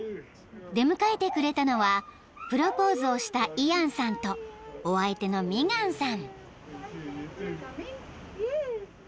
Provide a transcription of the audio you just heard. ［出迎えてくれたのはプロポーズをしたイアンさんとお相手のミガンさん］